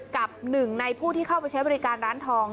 กับหนึ่งในผู้ที่เข้าไปใช้บริการร้านทอง